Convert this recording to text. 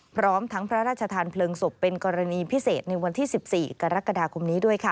พร้อมทั้งพระราชทานเพลิงศพเป็นพิเศษงาน๑๔๐๔กรกฎคม